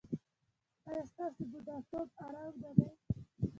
ایا ستاسو بوډاتوب ارام نه دی؟